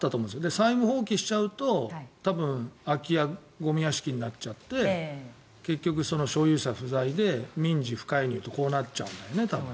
債務放棄しちゃうと空き家ゴミ屋敷になっちゃって結局、所有者不在で民事不介入とこうなっちゃうんだよね、多分。